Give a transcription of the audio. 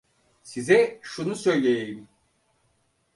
Size şunu söyleyeyim.